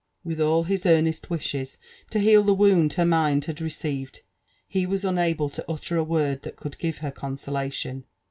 With all his earnest wishes to heal the wound her mind had receiTed, he was unable to utter a word that could give her consolation.